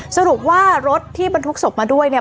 สรุปว่ารถที่บรรทุกศพมาด้วยเนี่ย